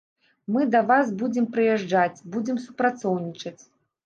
Мы да вас будзем прыязджаць, будзем супрацоўнічаць.